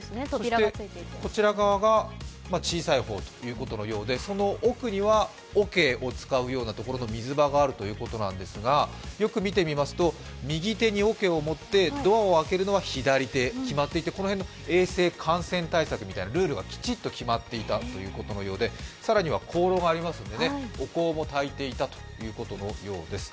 そしてこちら側が小さい方ということのようでその奥には桶を使う水場がありますが、よく見てみますと右手におけを持ってドアを開けるのは左手と決まっていて、この辺の衛生、感染対策みたいなルールがきちっと決まっていたということのようで、更には香炉がありますのでお香もたいていたということのようです。